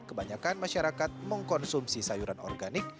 kebanyakan masyarakat mengkonsumsi sayuran organik